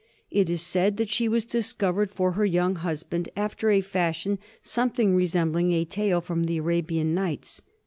It is said that she was discovered for her young husband after a fashion something resembling a tale from the "Arabian Nights."